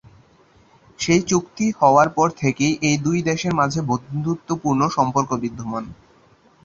সেই চুক্তি হওয়ার পর থেকেই এই দুই দেশের মাঝে বন্ধুত্বপূর্ণ সম্পর্ক বিদ্যমান।